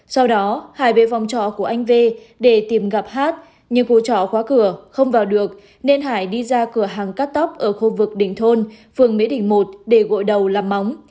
sau đó hải bị phòng trỏ của anh v để tìm gặp hát nhưng cụ trỏ khóa cửa không vào được nên hải đi ra cửa hàng cắt tóc ở khu vực đỉnh thôn phường mỹ đỉnh một để gội đầu làm móng